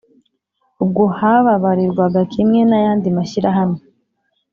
ubwo hababarirwaga Kimwe n’ayandi mashyirahamwe